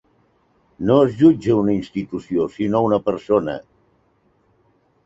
No es jutja una institució sinó una persona.